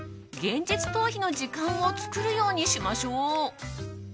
現実逃避の時間を作るようにしましょう。